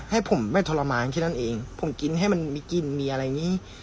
ให้ผมไม่ทรมานแค่นั้นเองผมกินให้มันมีกินมีอะไรอย่างนี้